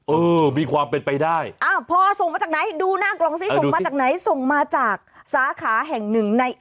เออมีความเป็นไปได้